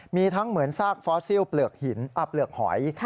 มีทั้งเหมือนซากฟอสซิลเปลือกหอย